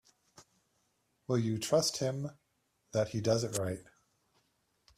Will you trust him that he does it right?